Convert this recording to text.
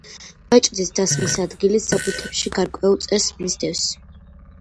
ბეჭდის დასმის ადგილი საბუთებში გარკვეულ წესს მისდევს.